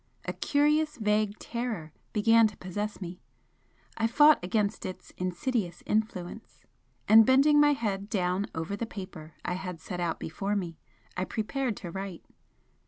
A curious vague terror began to possess me, I fought against its insidious influence, and bending my head down over the paper I had set out before me, I prepared to write.